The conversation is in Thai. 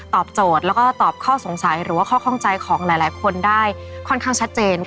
โจทย์แล้วก็ตอบข้อสงสัยหรือว่าข้อข้องใจของหลายคนได้ค่อนข้างชัดเจน